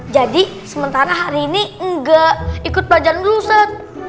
jadi sementara hari ini enggak ikut pelajaran dulu ustadz